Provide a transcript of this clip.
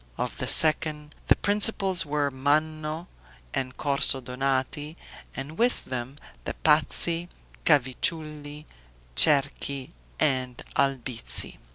Of the second, the principals were Manno and Corso Donati, and with them the Pazzi, Cavicciulli, Cerchi, and Albizzi.